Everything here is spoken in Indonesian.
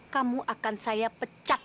kamu akan saya pecat